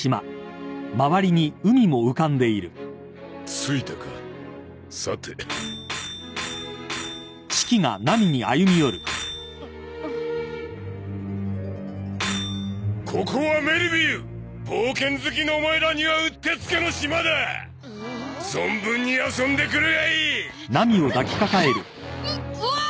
着いたかさてここはメルヴィユ冒険好きのお前らにはうってつけの島だ存分に遊んでくるがいいキャアッおい！